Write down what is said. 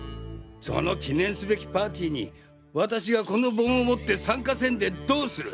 その記念すべきパーティーに私がこの盆を持って参加せんでどうする！